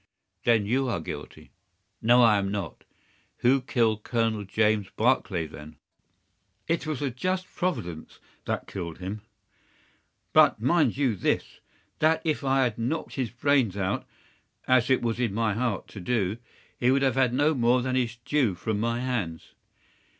"Then you are guilty." "No, I am not." "Who killed Colonel James Barclay, then?" "It was a just providence that killed him. But, mind you this, that if I had knocked his brains out, as it was in my heart to do, he would have had no more than his due from my hands.